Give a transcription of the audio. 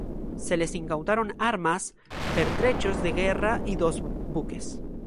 Se les incautaron armas, pertrechos de guerra y dos buques.